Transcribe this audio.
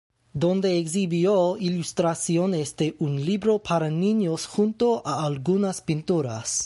Donde exhibió ilustraciones de un libro para niños junto a algunas pinturas.